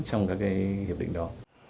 trong các hiệp định đó